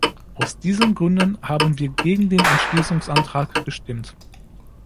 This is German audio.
Aus diesen Gründen haben wir gegen den Entschließungsantrag gestimmt.